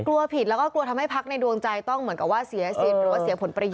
กลัวผิดแล้วก็กลัวทำให้พักในดวงใจต้องเหมือนกับว่าเสียสินหรือว่าเสียผลประโยชน